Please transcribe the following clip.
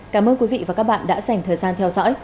cảm ơn quý vị và các bạn đã dành thời gian theo dõi